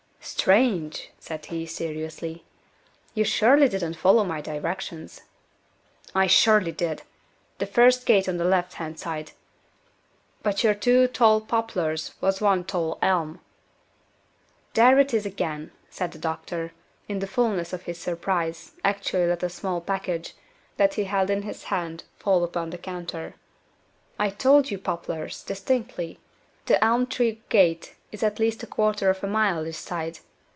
"Strange!" said he, seriously. "You surely didn't follow my directions." "I surely did. The first gate on the left hand side. But your two tall poplars was one tall elm." "There it is again!" and the doctor, in the fulness of his surprise, actually let a small package, that he held in his hand, fall upon the counter. "I told you poplars, distinctly. The elm tree gate is at least a quarter of a mile this side.